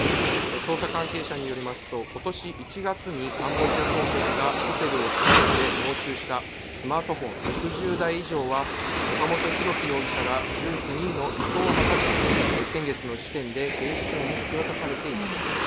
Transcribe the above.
捜査関係者によりますと今年１月にカンボジア当局がホテルを調べて押収したスマートフォン６０台以上は岡本大樹容疑者ら１９人の移送を待たずに先月の時点で警視庁に引き渡されています。